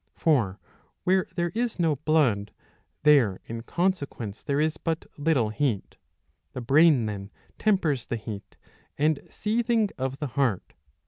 ^ For where there is no blood, there in consequence there is but little heat. The brain then tempers the heat and Seething of the heart.